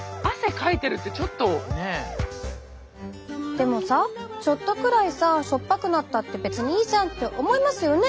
でもさちょっとくらいさ塩っぱくなったって別にいいじゃん！って思いますよね？